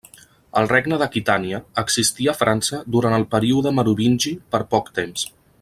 El regne d'Aquitània existí a França durant el període merovingi per poc temps.